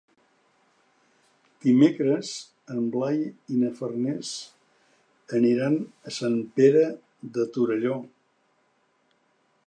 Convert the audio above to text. Dimecres en Blai i na Farners aniran a Sant Pere de Torelló.